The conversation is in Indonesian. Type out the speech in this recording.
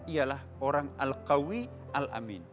ialah orang al kawi al amin